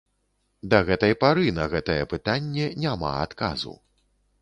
Да гэтай пары на гэтае пытанне няма адказу.